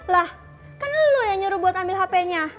lah kan lo yang nyuruh buat ambil hpnya